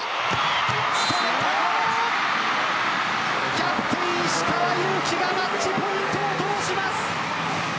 キャプテン石川祐希がマッチポイントを通します。